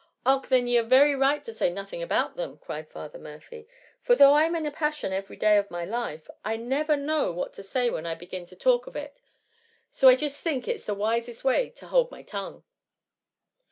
""" Och ! then, ye are very right to say nothin" about them,"" cried Father Murphy ;for though 1 *m in a passion every day of my life, I nevher know what to say when I begin to talk of it. And so I jist think it's the wisest way to holdth my tongue.''